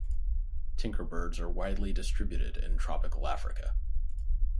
Tinkerbirds are widely distributed in tropical Africa.